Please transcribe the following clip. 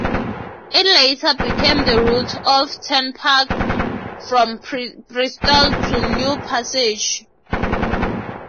It later became the route of a turnpike from Bristol to New Passage.